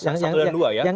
satu dan dua ya